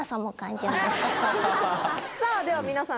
さぁでは皆さん